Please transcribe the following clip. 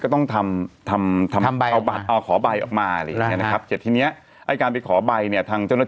เข้าไปแล้วห้ามออกก็แหละ